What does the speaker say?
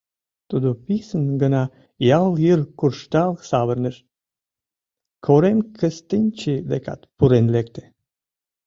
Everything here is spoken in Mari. Тудо писын гына ял йыр куржтал савырныш, Корем Кыстинчи декат пурен лекте.